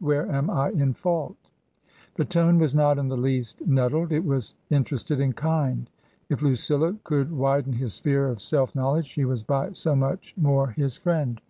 Where am I in fault ?" The tone was not in the least nettled ; it was inter ested and kind. If Lucilla could widen his sphere of self knowledge, she was by so much more his friend.